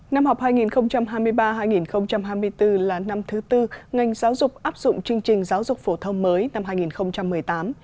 năm học hai nghìn hai mươi ba hai nghìn hai mươi bốn là năm thứ tư ngành giáo dục áp dụng chương trình giáo dục phổ thông mới năm hai nghìn một mươi tám